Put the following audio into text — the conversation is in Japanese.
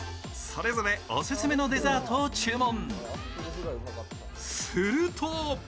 それぞれオススメのデザートを注文。